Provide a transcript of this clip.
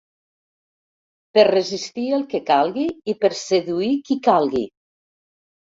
Per resistir el que calgui i per seduir qui calgui.